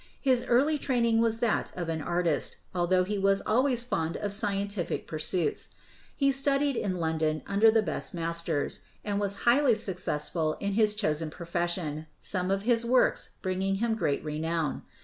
His early training was that of an artist, altho he was always fond of scientific pursuits. He studied in London under the best masters, and was highly successful in his chosen profession, some of his works bringing him great renown.